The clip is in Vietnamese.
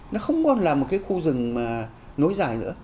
nó không còn là một cái khu rừng mà nối dài nữa